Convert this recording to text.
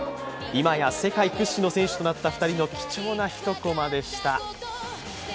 今や世界屈指の選手となった２人の貴重な一コマでした。